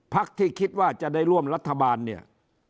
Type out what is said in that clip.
พักที่คิดว่าจะได้ร่วมรัฐบาลเนี่ย